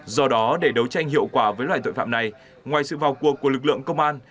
do đó để đấu tranh hiệu quả với loại tội phạm này ngoài sự vào cuộc của lực lượng công an